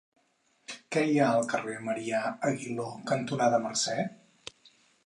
Què hi ha al carrer Marià Aguiló cantonada Mercè?